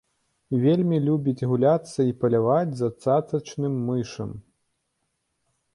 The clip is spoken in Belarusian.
Вельмі любіць гуляцца і паляваць за цацачным мышам.